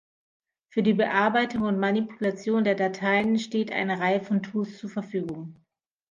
Für die Bearbeitung und Manipulation der Dateien steht eine Reihe von Tools zur Verfügung.